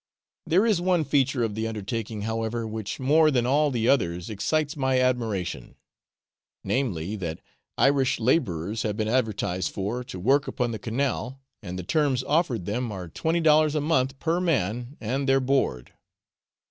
There is one feature of the undertaking, however, which more than all the others excites my admiration, namely, that Irish labourers have been advertised for to work upon the canal, and the terms offered them are twenty dollars a month per man and their board.